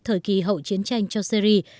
thời kỳ hậu chiến tranh cho syri